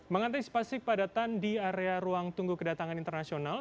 mengantisipasi kepadatan di area ruang tunggu kedatangan internasional